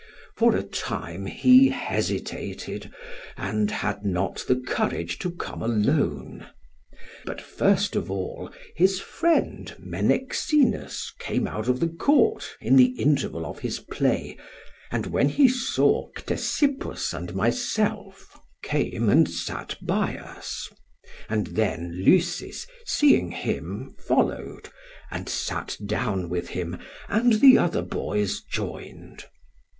For a time he hesitated and had not the courage to come alone; but first of all, his friend Menexenus came in out of the court in the interval of his play, and when he saw Ctesippus and myself, came and sat by us; and then Lysis, seeing him, followed, and sat down with him, and the other boys joined.